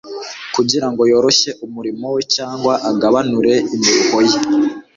kugira ngo yoroshye umurimo we cyangwa agabanure imiruho ye.